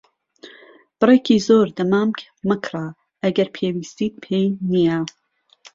بڕێکی زۆر دەمامک مەکڕە ئەگەر پێویستیت پێی نییە.